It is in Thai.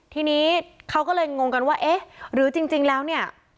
ทีนี้เขาก็เลยงงกันว่าเอ๊ะหรือจริงแล้วเนี่ย